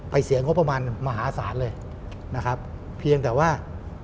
เสียงงบประมาณมหาศาลเลยนะครับเพียงแต่ว่า